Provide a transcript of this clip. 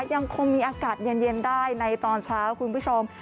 ยังคงมีอากาศเย็นได้ในตอนเช้าคุณผู้ชม